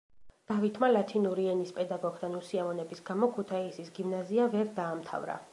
დავითმა ლათინური ენის პედაგოგთან უსიამოვნების გამო ქუთაისის გიმნაზია ვერ დაამთავრა.